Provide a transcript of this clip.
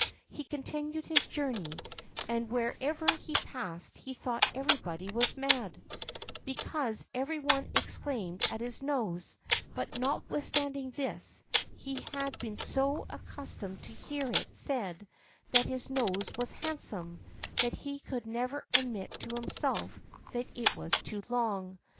He continued his journey, and wherever he passed he thought everybody was mad, because every one exclaimed at his nose; but notwithstanding this, he had been so accustomed to hear it said that his nose was handsome, that he could never admit to himself that it was too long.